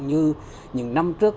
như những năm trước